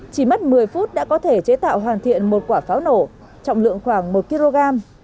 chỉ mất một mươi phút đã có thể chế tạo hoàn thiện một quả pháo nổ trọng lượng khoảng một kg